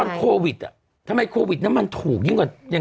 แล้วตอนโควิดอ่ะทำไมโควิดน้ำมันถูกยิ่งกับน้ำ